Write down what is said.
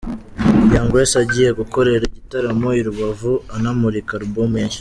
Young Grace agiye gukorera igitaramo i Rubavu anamurika Album ye nshya.